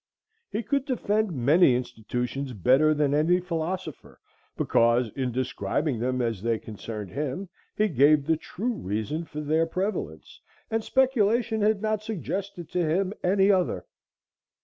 He could defend many institutions better than any philosopher, because, in describing them as they concerned him, he gave the true reason for their prevalence, and speculation had not suggested to him any other.